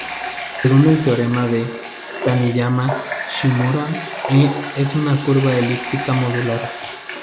Según el teorema de Taniyama-Shimura, "E" es una curva elíptica modular.